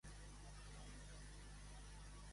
Quines altres funcions mantindrà Iceta?